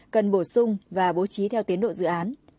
cần bổ sung và bố trí theo tiến độ dự án